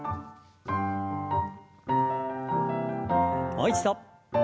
もう一度。